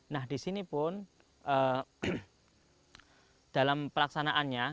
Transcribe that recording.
nah di sini pun dalam pelaksanaannya